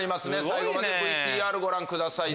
最後までＶＴＲご覧ください。